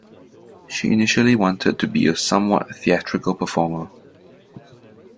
She initially wanted to be a somewhat theatrical performer.